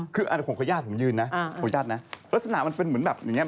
คือของขวัญญาติผมยืนนะลักษณะมันเป็นเหมือนแบบอย่างนี้